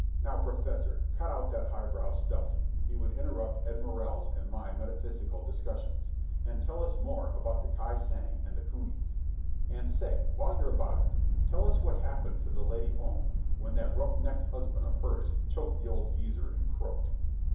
"Now, professor, cut out that high brow stuff," he would interrupt Ed Morrell's and my metaphysical discussions, "and tell us more about the ki sang and the cunies. And, say, while you're about it, tell us what happened to the Lady Om when that rough neck husband of hers choked the old geezer and croaked."